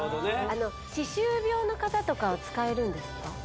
あの歯周病の方とかは使えるんですか？